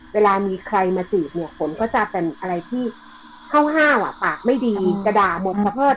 เวลามีใครมาจีบเนี่ยฝนก็จะเป็นอะไรที่ห้าวปากไม่ดีกระดาษหมดสะเพิด